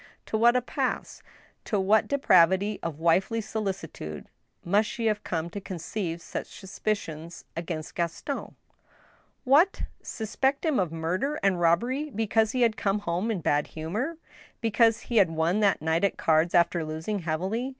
To what a pass — to ' what depravity of wifely solicitude must she have come to conceive such suspicions against Gaston } What ! suspect him of murder and robbery because he had come home in a bad humor ? Because he had won that night at cards, after losing heavily